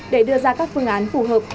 để đưa ra các phương án phù hợp